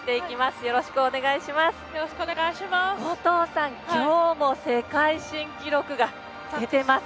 よろしくお願いします。